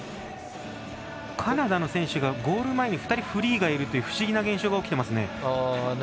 カナダの選手がゴール前にフリーがいるという不思議な現象がおきていますね。